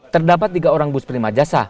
terdapat tiga orang bus prima jasa